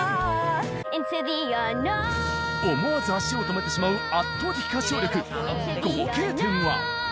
思わず足を止めてしまう圧倒的歌唱力！合計点は。